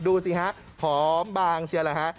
ดูสิฮะพร้อมบางเชียวเลยฮะ